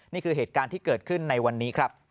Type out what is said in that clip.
นี่คือเหตุการณ์ที่เกิดขึ้นในวันนี้ครับ